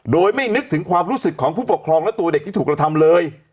โดยไม่นึกถึงความรู้สึกของผู้ปกครองและตัวเด็กที่ถูกกระทำเลย